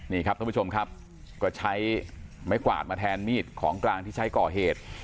นี่ครับท่านผู้ชมครับก็ใช้ไม้กวาดมาแทนมีดของกลางที่ใช้ก่อเหตุ